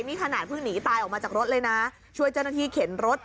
นี่ขนาดเพิ่งหนีตายออกมาจากรถเลยนะช่วยเจ้าหน้าที่เข็นรถ